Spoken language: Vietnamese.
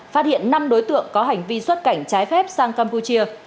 phát hiện năm đối tượng có hành vi xuất cảnh trái phép sang campuchia